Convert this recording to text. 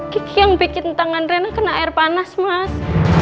kiki yang bikin tangan rena kena air panas mas